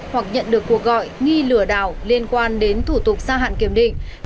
hoặc nhận được cuộc gọi nghi lừa đảo liên quan đến thủ tục gia hạn kiểm định